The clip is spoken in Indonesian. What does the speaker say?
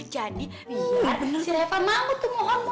jadi biar si reva mau tuh mohon mohon